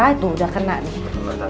itu udah kena nih